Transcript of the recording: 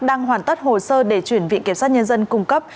đang hoàn tất hồ sơ để chuyển viện kiểm sát nhân dân cung cấp